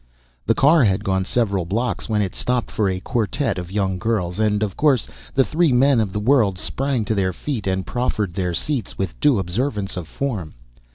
The car had gone several blocks when it stopped for a quartet of young girls, and, of course, the three men of the world sprang to their feet and proffered their seats with due observance of form.